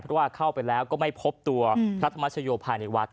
เพราะว่าเข้าไปแล้วก็ไม่พบตัวพระธรรมชโยภายในวัด